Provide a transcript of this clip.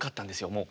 もう。